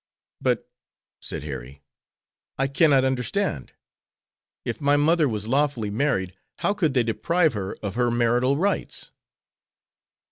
"But," said Harry, "I cannot understand. If my mother was lawfully married, how could they deprive her of her marital rights?"